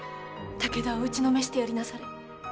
武田を打ちのめしてやりなされ。